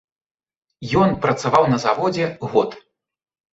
Ён працаваў на заводзе год.